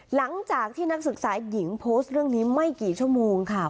หลังจากที่นักศึกษาหญิงโพสต์เรื่องนี้ไม่กี่ชั่วโมงค่ะ